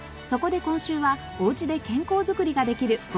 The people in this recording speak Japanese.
そこで今週はおうちで健康づくりができる